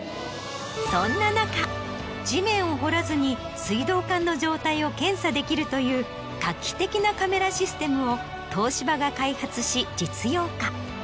そんな中地面を掘らずに水道管の状態を検査できるという画期的なカメラシステムを東芝が開発し実用化。